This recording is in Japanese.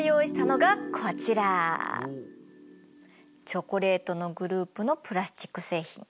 チョコレートのグループのプラスチック製品。